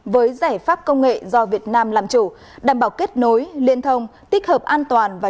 với giải pháp công nghệ do việt nam làm chủ đảm bảo kết nối liên thông tích hợp an toàn và